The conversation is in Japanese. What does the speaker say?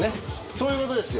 そういうことですよ。